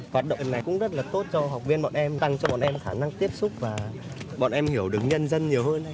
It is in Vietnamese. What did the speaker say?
hoạt động này cũng rất là tốt cho học viên bọn em tăng cho bọn em khả năng tiếp xúc và bọn em hiểu được nhân dân nhiều hơn